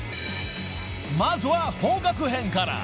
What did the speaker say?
［まずは邦楽編から］